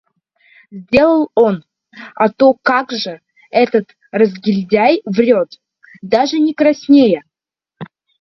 Сделал он, а то как же. Этот разгильдяй врёт, даже не краснея.